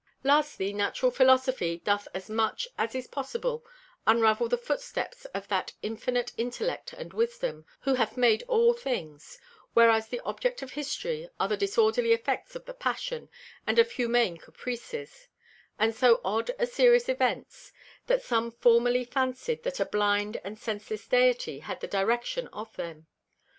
Lastly, Natural Philosophy doth as much as it is possible unravel the Footsteps of that Infinite Intellect and Wisdom, who hath made all things: Whereas the Object of History are the disorderly Effects of the Passion, and of Humane Caprices; and so odd a Series of Events, that some formerly fancy'd that a Blind and Senseless Deity had the Direction of them.